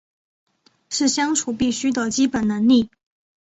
是相处必须的基本能力